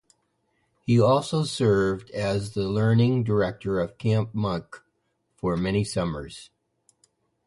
He also served as the learning director of Camp Munk for many summers.